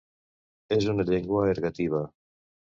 És una llengua ergativa.